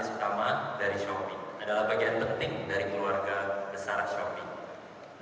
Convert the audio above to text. kesamaan dari shopee adalah bagian penting dari keluarga besar shopee